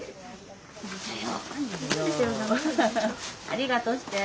「ありがとう」して。